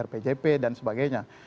rpjp dan sebagainya